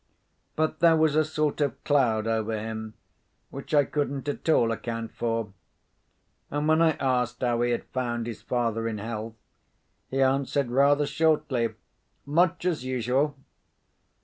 But there was a sort of cloud over him, which I couldn't at all account for; and when I asked how he had found his father in health, he answered rather shortly, "Much as usual."